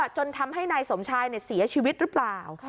จนทำให้นายสมชายเนี่ยเสียชีวิตรึเปล่า